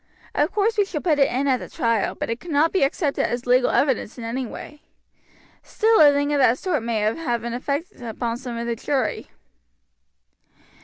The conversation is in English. Of course we shall put it in at the trial, but it cannot be accepted as legal evidence in any way. Still a thing of that sort may have an effect upon some of the jury."